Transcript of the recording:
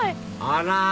あら！